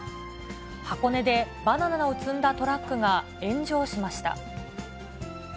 箱根でバナナを積んだトラックが炎上しました。